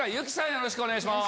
よろしくお願いします。